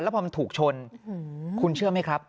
พอมันถูกชนคุณเชื่อไหมครับ